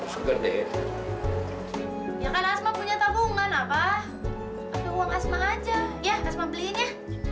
segede ya kan asma punya tabungan apa tapi uang asma aja ya asma beliinnya